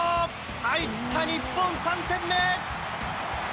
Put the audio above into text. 入った、日本３点目。